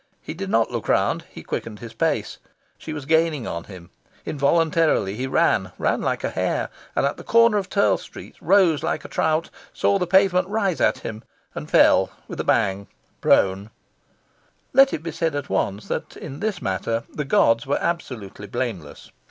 He did not look round, he quickened his pace. She was gaining on him. Involuntarily, he ran ran like a hare, and, at the corner of Turl Street, rose like a trout, saw the pavement rise at him, and fell, with a bang, prone. Let it be said at once that in this matter the gods were absolutely blameless.